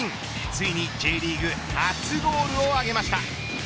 ついにＪリーグ初ゴールを挙げました。